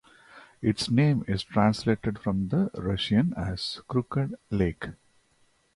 Its name is translated from the Russian as "Crooked Lake".